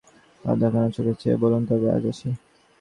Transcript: গলা ভারি করে তোমার দিকে আধখানা চোখে চেয়ে বললুম, তবে আজ আসি।